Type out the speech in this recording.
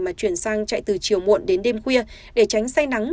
mà chuyển sang chạy từ chiều muộn đến đêm khuya để tránh say nắng